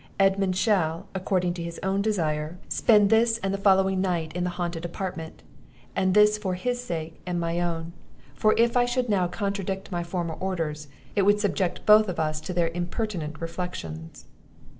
Edmund shall, according to his own desire, spend this and the following night in the haunted apartment; and this for his sake, and my own; for if I should now contradict my former orders, it would subject us both to their impertinent reflections."